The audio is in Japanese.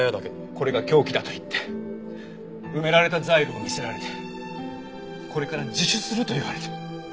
これが凶器だと言って埋められたザイルを見せられてこれから自首すると言われて。